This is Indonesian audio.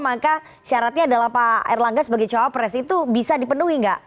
maka syaratnya adalah pak erlangga sebagai cawapres itu bisa dipenuhi nggak